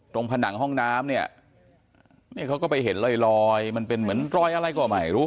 ผนังห้องน้ำเนี่ยนี่เขาก็ไปเห็นลอยมันเป็นเหมือนรอยอะไรก็ไม่รู้